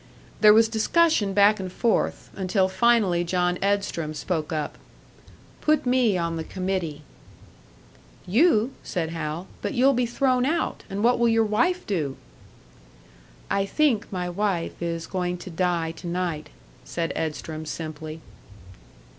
There was discussion back and forth, until finally John Edstrom spoke up. "Put me on the committee." "You?" said Hal. "But you'll be thrown out! And what will your wife do?" "I think my wife is going to die to night," said Edstrom, simply.